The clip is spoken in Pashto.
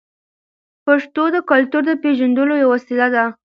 پښتو د کلتور د پیژندلو یوه وسیله ده.